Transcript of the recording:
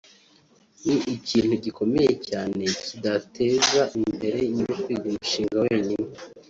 ni ikintu gikomeye cyane kidateza imbere nyir’ukwiga umushinga wenyine